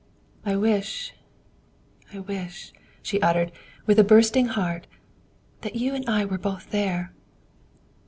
I wish I wish," she uttered, with a bursting heart, "that you and I were both there!"